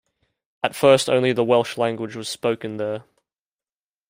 At first, only the Welsh language was spoken there.